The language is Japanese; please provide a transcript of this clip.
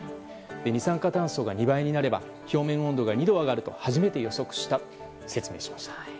二酸化炭素が２倍になれば表面温度が２度上がると初めて予測したと説明しました。